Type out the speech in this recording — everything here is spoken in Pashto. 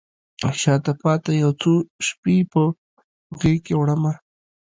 شاته پاته یو څو شپې په غیږکې وړمه